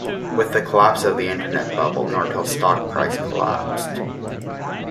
With the collapse of the Internet Bubble Nortel stock price collapsed.